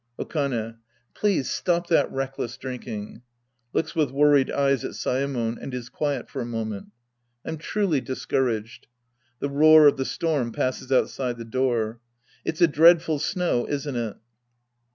, Okane. Please stop that reckless drinking. {Looks •with worried eyes at Saemon and is quiet for a moment.) I'm truly discouraged. {The roar of the storm passes outside the door.) It's a dreadful snow, isn't it